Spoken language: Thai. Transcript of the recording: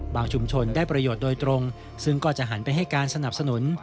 ชุมชนได้ประโยชน์โดยตรงซึ่งก็จะหันไปให้การสนับสนุน